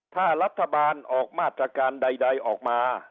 ถ้ารัฐบาลออกมาตรการใดออกมา